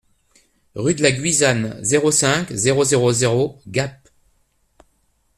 Rue de la Guisane, zéro cinq, zéro zéro zéro Gap